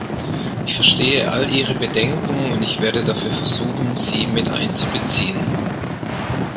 Ich verstehe all Ihre Bedenken und ich werde versuchen, sie mit einzubeziehen.